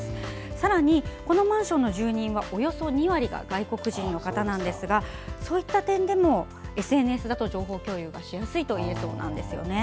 さらに、このマンションの住人はおよそ２割が外国人の方ですがその点でもＳＮＳだと情報共有がしやすいともいえます。